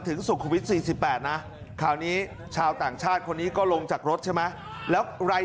เอานี่จะต่อยเขาไปทั่วเลย